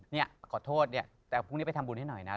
เนี่ยขอโทษเนี่ยแต่พรุ่งนี้ไปทำบุญให้หน่อยนะ